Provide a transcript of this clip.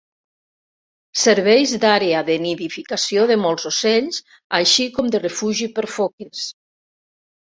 Serveix d'àrea de nidificació de molts ocells, així com de refugi per foques.